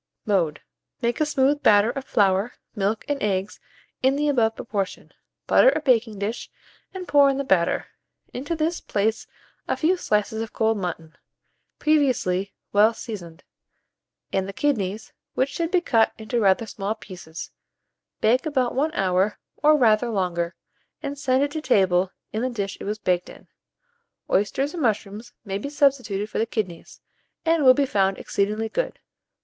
Mode. Make a smooth batter of flour, milk, and eggs in the above proportion; butter a baking dish, and pour in the batter. Into this place a few slices of cold mutton, previously well seasoned, and the kidneys, which should be cut into rather small pieces; bake about 1 hour, or rather longer, and send it to table in the dish it was baked in. Oysters or mushrooms may be substituted for the kidneys, and will be found exceedingly good.